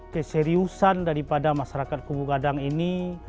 keseriusan daripada masyarakat kubu gadang ini